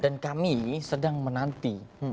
dan kami sedang menanti